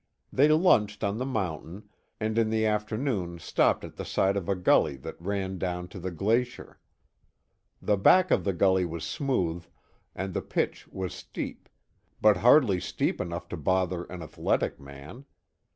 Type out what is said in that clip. They lunched on the mountain, and in the afternoon stopped at the side of a gully that ran down to the glacier. The back of the gully was smooth, and the pitch was steep, but hardly steep enough to bother an athletic man.